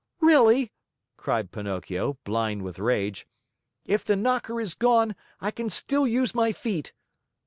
"Really?" cried Pinocchio, blind with rage. "If the knocker is gone, I can still use my feet."